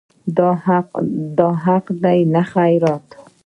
دا حق دی نه خیرات.